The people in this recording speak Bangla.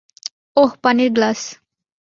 ওহ, পানির গ্লাস।